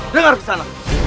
dengar kesan aku